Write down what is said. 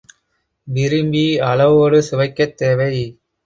விரும்பி அளவோடு சுவைக்கத் தேவை.